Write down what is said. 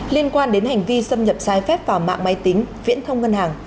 liên quan đến hành vi xâm nhập sai phép vào mạng máy tính viễn thông ngân hàng